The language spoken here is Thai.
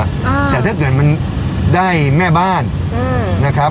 อ่าแต่ถ้าเกิดมันได้แม่บ้านอืมนะครับ